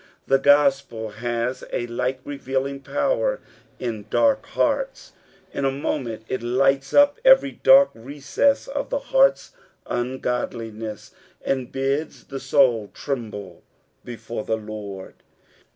The gospel has a like revealing power in dark hearts, in a moment it lights up every dork recess of the heart's ungodliness, and bids the soul tremble before the Lord.